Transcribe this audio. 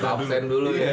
kerajinan dulu ya